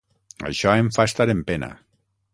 Això em fa estar en pena.